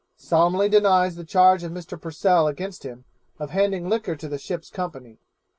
Solemnly denies the charge of Mr. Purcell against him, of handing liquor to the ship's company.